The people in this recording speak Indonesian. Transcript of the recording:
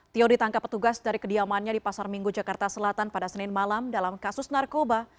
tio ditangkap petugas dari kediamannya di pasar minggu jakarta selatan pada senin malam dalam kasus narkoba